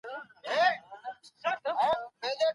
ژوند د هر دپاره يو ډول نه دی .